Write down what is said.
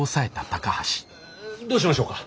どうしましょうか？